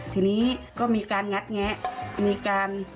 ทีนี้ก็มีการงัดแงะมีการ